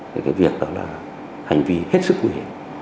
thì cái việc đó là hành vi hết sức nguy hiểm